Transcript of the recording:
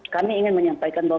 kami ingin menyampaikan bahwa